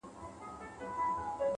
خندا د روح ارامي ده.!